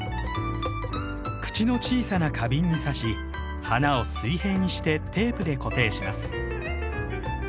口の小さな花瓶に挿し花を水平にしてテープで固定します。